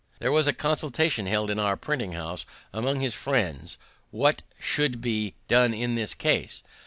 There was a consultation held in our printing house among his friends, what he should do in this case.